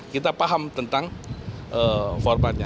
kita paham tentang formatnya